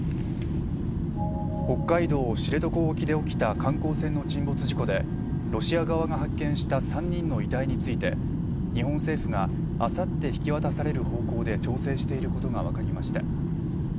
北海道知床沖で起きた観光船の沈没事故でロシア側が発見した３人の遺体について日本政府があさって引き渡される方向で調整していることが分かりました。